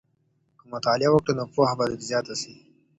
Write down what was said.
که مطالعه وکړې نو پوهه به دې زیاته سي.